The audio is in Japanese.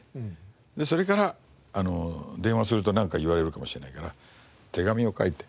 でそれから電話するとなんか言われるかもしれないから手紙を書いて。